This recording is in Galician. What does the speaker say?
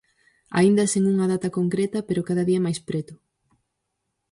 Aínda sen unha data concreta, pero cada día máis preto.